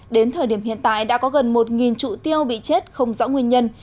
đến thời điểm hiện tại đã có gần một trụ tiêu bị chết không rõ nguyên nhân